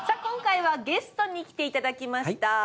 今回はゲストに来ていただきました。